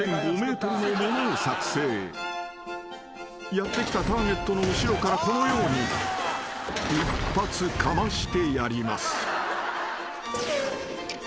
［やって来たターゲットの後ろからこのように一発かましてやります］